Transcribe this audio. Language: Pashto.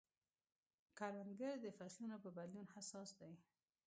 کروندګر د فصلونو په بدلون حساس دی